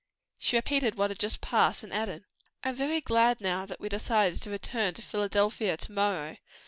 She repeated what had just passed, adding, "I am very glad now that we decided to return to Philadelphia to morrow.